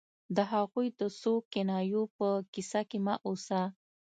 د هغوی د څو کنایو په کیسه کې مه اوسه